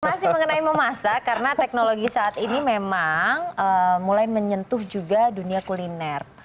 masih mengenai memasak karena teknologi saat ini memang mulai menyentuh juga dunia kuliner